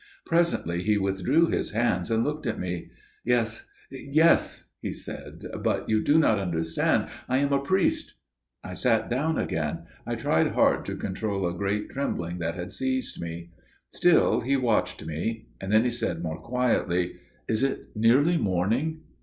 Presently he withdrew his hands and looked at me. "Yes, yes," he said; "but you do not understand. I am a priest." I sat down again. I tried hard to control a great trembling that had seized me. Still he watched me. Then he said more quietly: "Is it nearly morning?"